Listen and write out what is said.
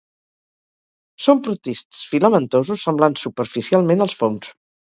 Són protists filamentosos semblants superficialment als fongs.